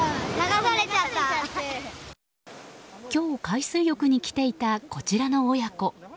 今日、海水浴に来ていたこちらの親子。